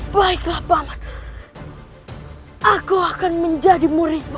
baiklah banget aku akan menjadi muridmu